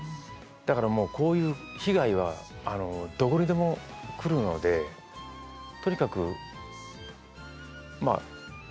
だからもうこういう被害はどこにでも来るのでとにかくまあ受け入れるしかない。